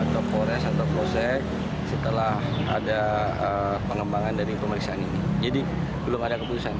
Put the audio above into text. tersangka polres setelah ada pengembangan dari pemeriksaan ini jadi belum ada keputusan